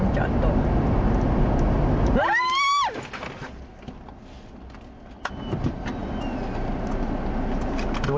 เจ้าตัว